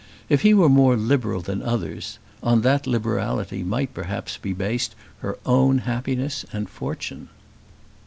If he were more liberal than others, on that liberality might perhaps be based her own happiness and fortune.